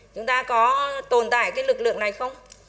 chúng ta có tồn tại cái lực lượng này không